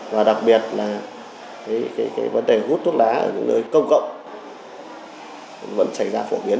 và đặc biệt là vấn đề hút thuốc lá ở những nơi công cộng vẫn xảy ra phổ biến